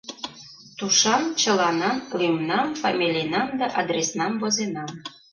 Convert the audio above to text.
Тушан чыланан лӱмнам, фамилийнам да адреснам возенам.